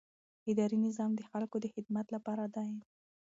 اداري نظام د خلکو د خدمت لپاره دی.